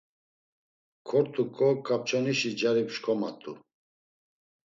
Kort̆uǩo kapçonişi cari pşkomat̆u.